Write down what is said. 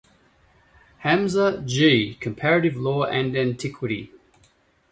Hamza, G., Comparative Law and Antiquity.